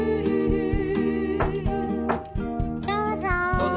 ・どうぞ。